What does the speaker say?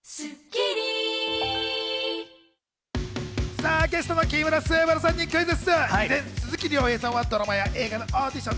さぁ、ゲストの木村昴さんにクイズッス。